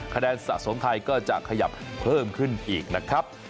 คะแนนสะสมไทยก็จะขยับเพิ่มขึ้นอีกนะครับ